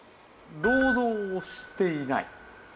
労働をしていない。